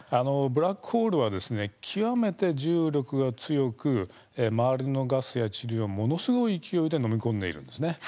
ブラックホールは極めて重力が強く周りのガスやちりをものすごい勢いで飲み込んでいるんです。